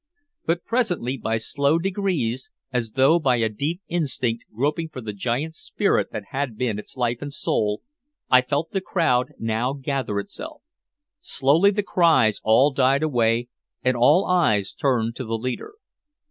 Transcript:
But presently, by slow degrees, as though by a deep instinct groping for the giant spirit that had been its life and soul, I felt the crowd now gather itself. Slowly the cries all died away and all eyes turned to the leader.